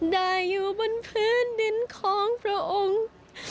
ได้อยู่บนพื้นดินของพระองค์